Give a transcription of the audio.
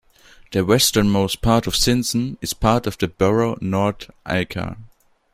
The westernmost part of Sinsen is part of the borough Nordre Aker.